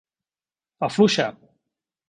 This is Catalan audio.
Afluixa!